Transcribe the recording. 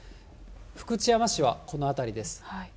福知山市はこの辺りです。